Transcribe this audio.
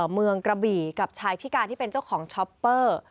เมืองกระบี่กับชายพิการที่เป็นเจ้าของช็อปเปอร์